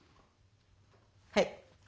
はい。